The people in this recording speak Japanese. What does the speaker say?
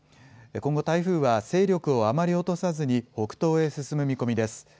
今後、台風は勢力をあまり落とさずに北東へ進む見込みです。